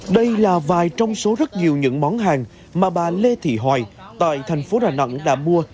đây là vài trong số rất nhiều những món hàng mà bà lê thị hoài tại thành phố đà nẵng đã mua